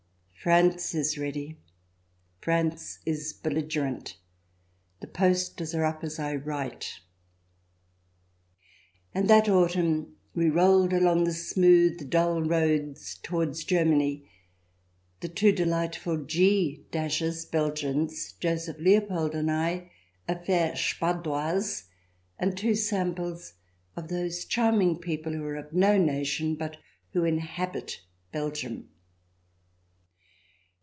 France is ready. France is belligerent. The posters are up as I write. And that autumn we rolled along the smooth, dull roads towards Germany; the two delightful G's — Belgians — Joseph Leopold and I, a fair Spadoise, and two samples of those charming people who are of no nation but who inhabit Belgium.